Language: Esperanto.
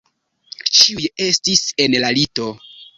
Ĉiuj estis en la lito.